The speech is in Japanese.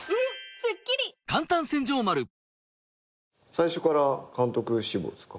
最初から監督志望ですか？